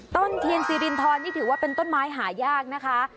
ต้นเทียนซีรินทรนี่ถือว่าเป็นต้นไม้หายากนะคะ